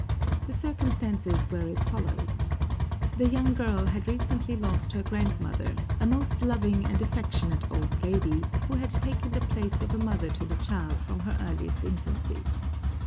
The circumstances were as follows: The young girl had recently lost her grandmother, a most loving and affectionate old lady, who had taken the place of a mother to the child from her earliest infancy.